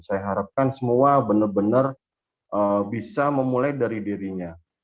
saya harapkan semua benar benar bisa memulai dari dirinya